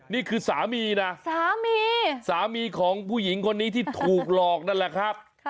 นี่คือสามีนะสามีสามีของผู้หญิงคนนี้ที่ถูกหลอกนั่นแหละครับ